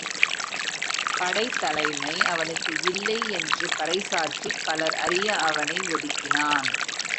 படைத்தலைமை அவனுக்கு இல்லை என்று பறை சாற்றிப் பலர் அறிய அவனை ஒதுக்கினான்.